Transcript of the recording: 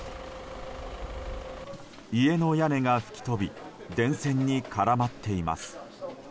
家の屋根が吹き飛び電線に絡まっています。